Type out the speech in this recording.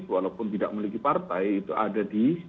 walaupun tidak memiliki partai itu ada di